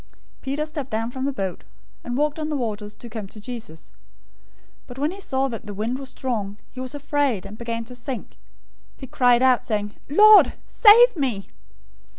Peter stepped down from the boat, and walked on the waters to come to Jesus. 014:030 But when he saw that the wind was strong, he was afraid, and beginning to sink, he cried out, saying, "Lord, save me!"